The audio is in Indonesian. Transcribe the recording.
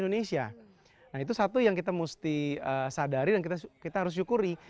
nah itu satu yang kita mesti sadari dan kita harus syukuri